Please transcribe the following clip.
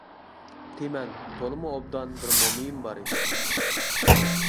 تىمەن، تولىمۇ ئوبدان بىر مومىيىم بار ئىدى.